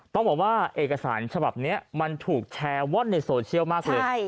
ต้องบอกว่าเอกสารฉบับนี้มันถูกแชร์ว่อนในโซเชียลมากเลย